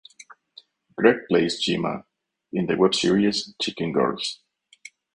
Gregg plays Gemma in the web series "Chicken Girls".